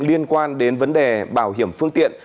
liên quan đến vấn đề bảo hiểm phương tiện